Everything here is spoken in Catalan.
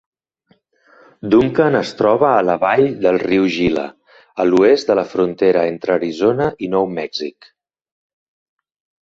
Duncan es troba a la vall del riu Gila, a l'oest de la frontera entre Arizona i Nou Mèxic.